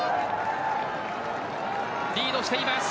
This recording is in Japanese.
リードしています。